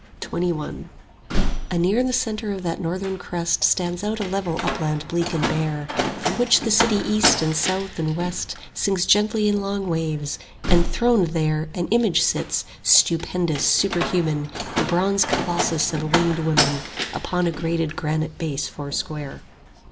XXI Anear the centre of that northern crest Stands out a level upland bleak and bare, From which the city east and south and west Sinks gently in long waves; and throned there An Image sits, stupendous, superhuman, 5 The bronze colossus of a winged Woman, Upon a graded granite base foursquare.